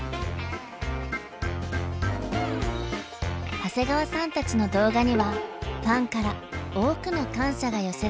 長谷川さんたちの動画にはファンから多くの感謝が寄せられています。